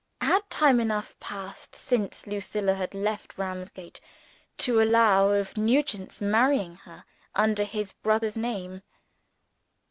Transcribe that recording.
Had time enough passed, since Lucilla had left Ramsgate, to allow of Nugent's marrying her, under his brother's name?